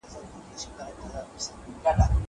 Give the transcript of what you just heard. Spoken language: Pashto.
که وخت وي، سبزېجات وچوم.